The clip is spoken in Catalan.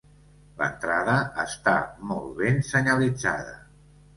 L'entrada està molt ben senyalitzada.